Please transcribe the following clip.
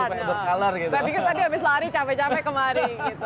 saya pikir tadi habis lari capek capek kemari